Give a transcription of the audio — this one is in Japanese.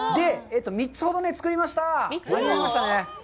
３つほど作りました。